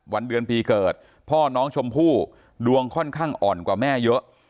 วันเดือนปีเกิดพ่อน้องชมพู่ดวงค่อนข้างอ่อนกว่าแม่เยอะ